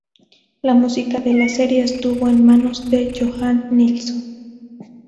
La música de la serie estuvo en manos de Johan Nilsson.